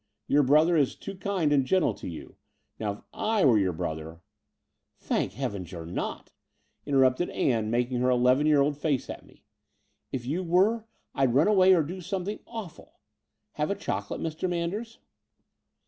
Your brother is too kind and gentle to you. Now if I were your brother ..." "Thank heaven you're not," interrupted Ann, making her eleven year old face at me. "If you were, I'd run away or do something awful! Have a chocolate, Mr. Manders?"